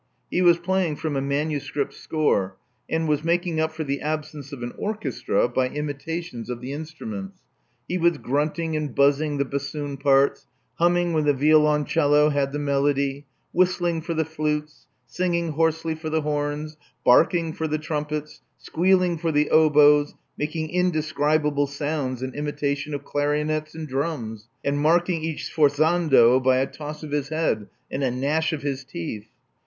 He was playing from a manuscript score, and was making up for the absence of an orchestra by imita tions of the instruments. He was grunting and buzzing the bassoon parts, humming when the violon cello had the melody, whistling for the flutes, singling hoarsely for the horns, barking for the trumpets, squealing for the oboes, making indescribable sounds in imitation of clarionets and drums, and marking each sforzando by a toss of his head and a gnash of his teeth.